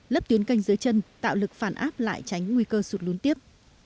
lấp tuyến canh dưới chân tạo lực phản áp lại tránh nguy cơ sụt lún tiếp